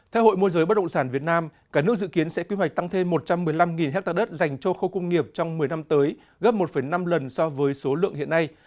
theo hội môi giới bất động sản việt nam cả nước dự kiến sẽ quy hoạch tăng thêm một trăm một mươi năm ha đất dành cho khu công nghiệp trong một mươi năm tới gấp một năm lần so với số lượng hiện nay